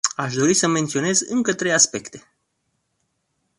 Aș dori să menționez încă trei aspecte.